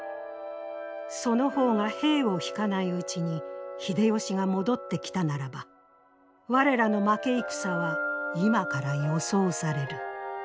その方が兵を引かないうちに秀吉が戻ってきたならば我らの負け戦は今から予想される。